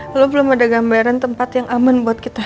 lu belum ada gambaran tempat yang aman